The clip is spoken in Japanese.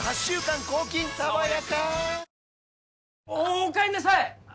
おかえりなさい！